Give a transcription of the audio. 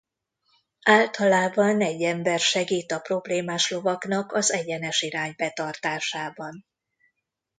Általában egy ember segít a problémás lovaknak az egyenes irány betartásában.